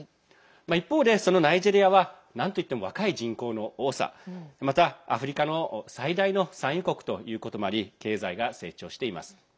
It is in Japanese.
一方で、そのナイジェリアはなんといっても若い人口の多さまた、アフリカの最大の産油国ということもあり経済が成長しています。